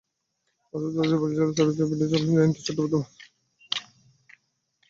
আসাদ চৌধুরী পরিচালিত চলচ্চিত্রটিতে অভিনয় করেন জয়ন্ত চট্টোপাধ্যায় এবং মাজহার-উল-ইসলাম।